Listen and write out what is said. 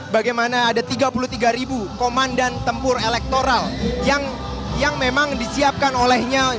bagaimana ada tiga puluh tiga ribu komandan tempur elektoral yang memang disiapkan olehnya